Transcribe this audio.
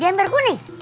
di ember kuning